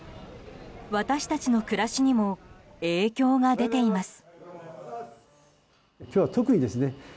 私たちの暮らしにも影響が出ています。